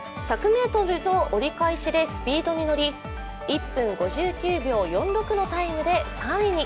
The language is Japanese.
１００ｍの折り返しでスピードに乗り１分５９秒４６のタイムで３位に。